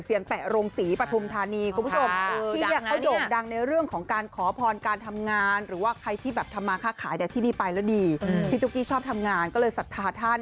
ช่วยลูกเถอะนะช่วยลูกเถอะท่าน